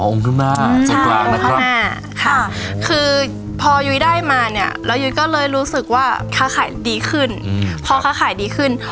อ๋อองค์ขึ้นหน้าจากกลางนะครับค่ะคือพอยุ้ยได้มาเนี่ยแล้วยุ้ยก็เลยรู้สึกว่าค้าขายดีขึ้น